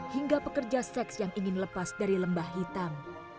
hingga pekerja seks yang ingin lepas dari lembah hitam